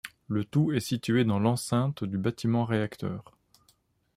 Le tout est situé dans l’enceinte du bâtiment réacteur.